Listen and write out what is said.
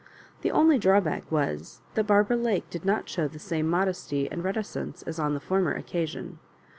The only drawback was, that Bar bara Lake did not show the saifte modesty and reticence as on the former occasion.